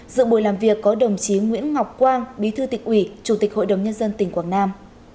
dự buổi làm việc có đồng chí nguyễn ngọc quang bí thư tỉnh ủy chủ tịch hội đồng nhân dân tỉnh quảng nam